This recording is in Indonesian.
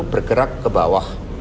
bergerak ke bawah